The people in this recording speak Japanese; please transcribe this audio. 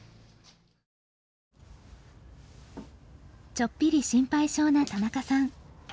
ちょっぴり心配性な田中さん。